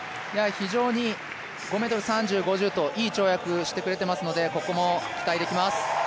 非常に５ｍ３０、５０といい跳躍をしてくれていますので、ここも期待できます。